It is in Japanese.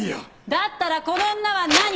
だったらこの女は何！？